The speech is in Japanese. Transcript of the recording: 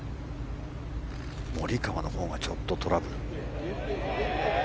モリカワのほうがちょっとトラブル。